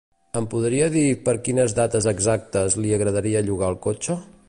Em podria dir per quines dates exactes li agradaria llogar el cotxe?